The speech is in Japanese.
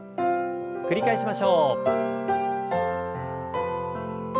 繰り返しましょう。